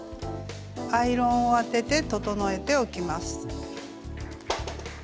アイロンを当てて整えておきます。